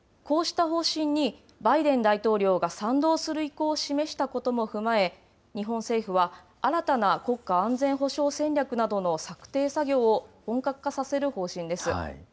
こうした方針に、バイデン大統領が賛同する意向を示したことも踏まえ、日本政府は、新たな国家安全保障戦略などの策定作業を本格化させる方針です。